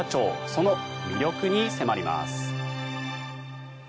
その魅力に迫ります。